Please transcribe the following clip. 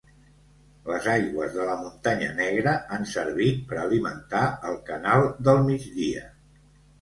Les aigües de la Muntanya Negra han servit per alimentar el canal del Migdia.